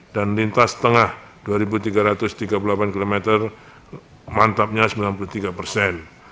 dan lintas tengah dua tiga ratus tiga puluh delapan kilometer mantapnya sembilan puluh tiga persen